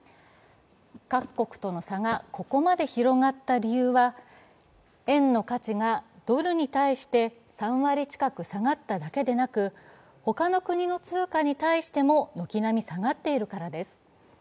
各国との差がここまで広がった理由は、円の価値がドルに対して３割近く下がっただけでなく他の国の通貨に対しても軒並み下がっているからです。